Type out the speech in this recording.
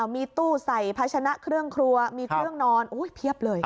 มีตู้ใส่ภาชนะเครื่องครัวมีเครื่องนอนเพียบเลย